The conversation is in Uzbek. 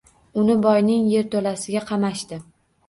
Uni boyning yerto‘lasiga qamashdi.